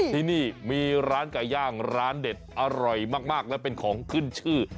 ที่นี่มีร้านไก่ย่างร้านเด็ดอร่อยมากและเป็นของขึ้นชื่อ